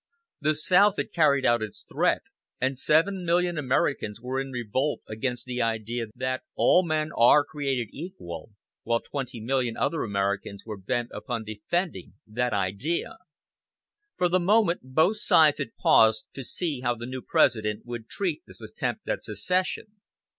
The South had carried out its threat, and seven million Americans were in revolt against the idea that "all men are created equal," while twenty million other Americans were bent upon defending that idea. For the moment both sides had paused to see how the new President would treat this attempt at secession.